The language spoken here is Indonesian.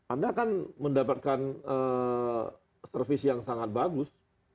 anda akan mendapatkan servis yang sangat bagus